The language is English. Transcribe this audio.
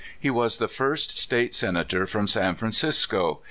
He was the first State Senator from San Francisco.